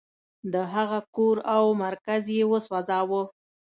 د هغه کور او مرکز یې وسوځاوه.